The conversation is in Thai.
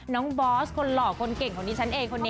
บอสคนหล่อคนเก่งของดิฉันเองคนนี้